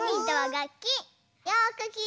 がっき？